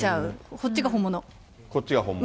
こっちが本物？